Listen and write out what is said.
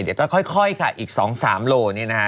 เดี๋ยวก็ค่อยค่ะอีก๒๓โลเนี่ยนะคะ